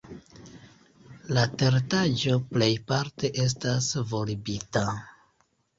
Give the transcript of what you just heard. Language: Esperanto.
La teretaĝo plejparte estas volbita.